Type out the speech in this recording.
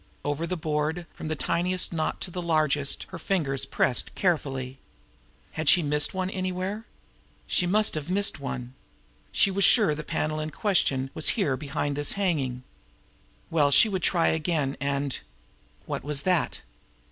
Over the board, from the tiniest knot to the largest, her fingers pressed carefully. Had she missed one anywhere? She must have missed one! She was sure the panel in question was here behind this hanging. Well, she would try again, and... What was that?